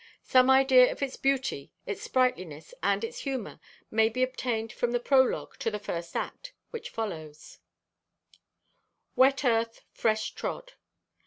Some idea of its beauty, its sprightliness and its humor may be obtained from the prologue to the first act, which follows: Wet earth, fresh trod.